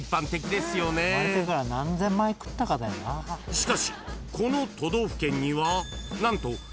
［しかしこの都道府県にはなんと］